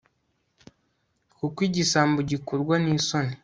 kuko igisambo gikorwa n'isoni